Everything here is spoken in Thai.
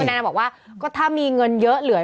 นายนาบอกว่าก็ถ้ามีเงินเยอะเหลือ